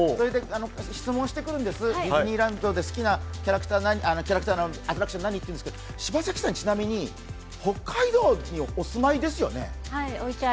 質問してくるんです、ディズニーランドの好きなアトラクション何っていうんですけど、柴咲さん、ちなみに北海道にお住まいですよね。